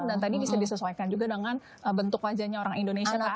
dan tadi bisa disesuaikan juga dengan bentuk wajahnya orang indonesia tadi ya